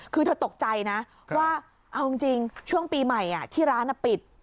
คือเธอตกใจนะว่าเอาจริงช่วงปีใหม่ที่ร้านปิด